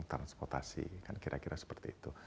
transportasi kan kira kira seperti itu